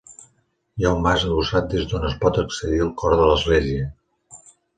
Hi ha un mas adossat des d'on es pot accedir al cor de l'església.